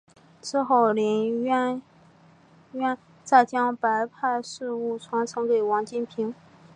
之后林渊源再将白派事务传承给王金平。